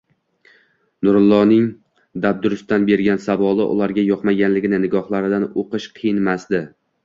Nurulloning dabdurustdan bergan savoli ularga yoqmaganligini nigohlaridan uqish qiyinmasdi